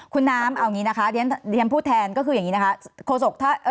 คุณน้ำเอาอย่างนี้นะคะเรียนพูดแทนก็คืออย่างนี้นะคะโศก